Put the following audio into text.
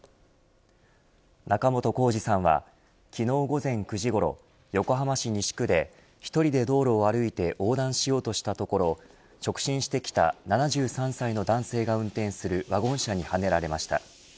仲本工事さんは昨日午前９時ごろ横浜市西区で１人で道路を歩いて横断しようとしたところ直進してきた７３歳の男性が運転するワゴン車にはねられました。